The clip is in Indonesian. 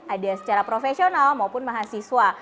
ada secara profesional maupun mahasiswa